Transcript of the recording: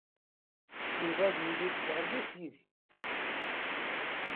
Yuba ad yili deg tɣellist yid-i.